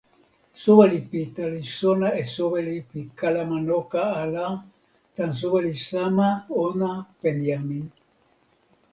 soweli Pita li sona e soweli pi kalama noka ala tan soweli sama ona Penjamin.